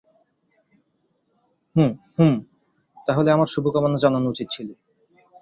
হু, হুমম, তাহলে আমার শুভকামনা জানানো উচিত ছিল।